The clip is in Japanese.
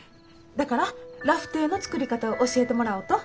だからラフテーの作り方を教えてもらおうと。